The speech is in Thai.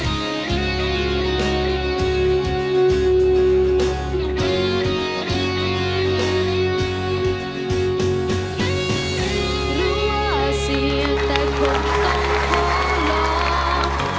หรือว่าเสียแต่ความต้องขอลอง